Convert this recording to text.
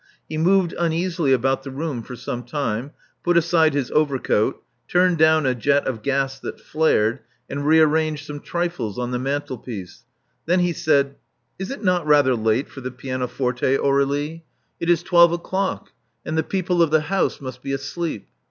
He moved uneasily about the room for some time ; put aside his overcoat; turned down a jet of gas that flared; and re arranged some trifles on the mantelpiece. Then he said: Is it not rather late for the pianoforte, Aur^lie? 326 Love Among the Artists It is twelve o'clock ; and the people of the house must be asleep."